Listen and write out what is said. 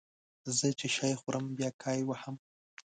زه چې شی خورم بیا کای وهم